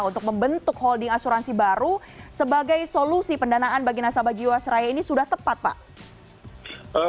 untuk membentuk holding asuransi baru sebagai solusi pendanaan bagi nasabah jiwasraya ini sudah tepat pak